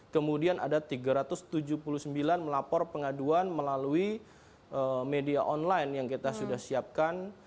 kemudian ada tiga ratus tujuh puluh sembilan melapor pengaduan melalui media online yang kita sudah siapkan